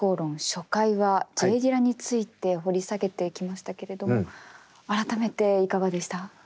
初回はＪ・ディラについて掘り下げてきましたけれども改めていかがでした？